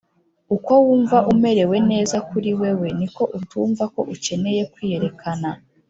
“uko wumva umerewe neza kuri wewe, ni ko utumva ko ukeneye kwiyerekana.”